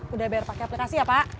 udah bayar pake aplikasi ya pak